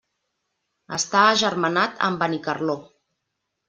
Està agermanat amb Benicarló.